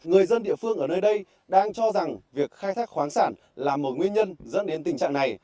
người dân địa phương ở nơi đây đang cho rằng việc khai thác khoáng sản là một nguyên nhân dẫn đến tình trạng này